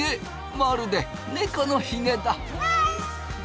まるで猫のひげだ。